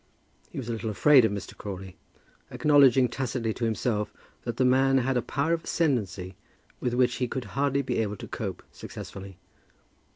He was a little afraid of Mr. Crawley, acknowledging tacitly to himself that the man had a power of ascendancy with which he would hardly be able to cope successfully.